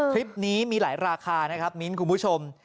คลิปนี้มีหลายราคานะครับมิ้นคุณผู้ชม